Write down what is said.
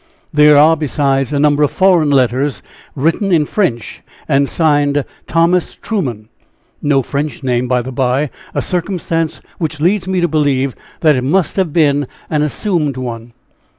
There are, besides, a number of foreign letters written in French, and signed 'Thomas Truman,' no French name, by the bye, a circumstance which leads me to believe that it must have been an assumed one."